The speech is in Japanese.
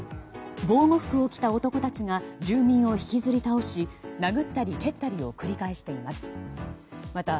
防護服を着た男たちが住民を引きずり倒し殴ったり蹴ったりを繰り返しています。